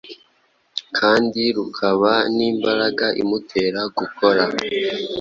kandi rukaba n’imbaraga imutera gukora.